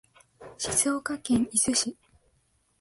静岡県伊豆市